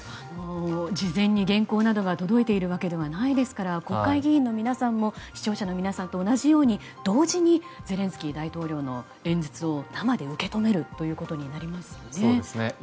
事前に原稿などが届いているわけではないですから国会議員の皆さんも視聴者の皆さんと同じように同時にゼレンスキー大統領の演説を生で受け止めることになりますよね。